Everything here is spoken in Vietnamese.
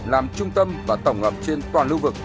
làm trung tâm và tổng hợp trên toàn lưu vực